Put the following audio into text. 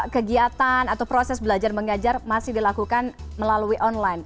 kegiatan atau proses belajar mengajar masih dilakukan melalui online